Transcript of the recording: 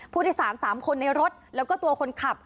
ผู้โดยสาร๓คนในรถแล้วก็ตัวคนขับ